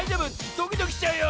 ドキドキしちゃうよ！